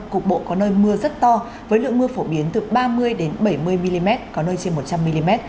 cục bộ có nơi mưa rất to với lượng mưa phổ biến từ ba mươi bảy mươi mm có nơi trên một trăm linh mm